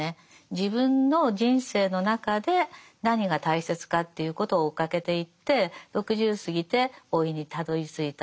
自分の人生の中で何が大切かということを追っかけていって６０過ぎて老いにたどりついた。